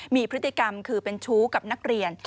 มีพฤติกรรมคือเป็นชู้กับนักเรียน